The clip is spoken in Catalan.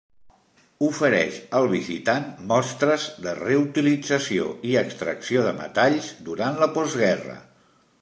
Ofereix al visitant mostres de reutilització i extracció de metalls durant la postguerra.